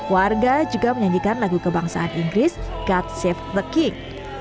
warga juga menyanyikan lagu kebangsaan inggris god save the king